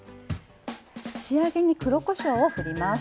仕上げに黒こしょうを振ります。